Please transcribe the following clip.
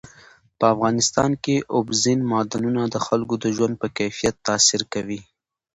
په افغانستان کې اوبزین معدنونه د خلکو د ژوند په کیفیت تاثیر کوي.